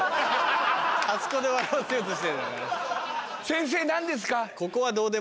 先生何ですか？